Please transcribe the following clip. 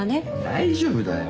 大丈夫だよ。